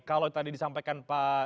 kalau tadi disampaikan pak